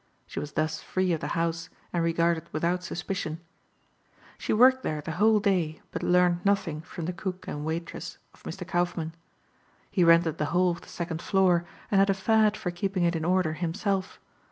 She was thus free of the house and regarded without suspicion. She worked there the whole day but learned nothing from the cook and waitress of Mr. Kaufmann. He rented the whole of the second floor and had a fad for keeping it in order himself.